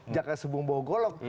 jakarta sebum bawa golok